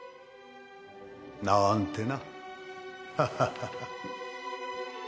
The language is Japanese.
なぁんてな。